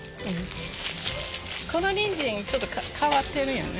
このにんじんちょっと変わってるよね。